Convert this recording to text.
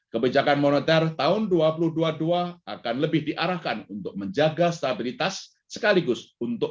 kebijakan moneter tahun dua ribu dua puluh dua akan lebih diarahkan untuk menjaga stabilitas sekaligus untuk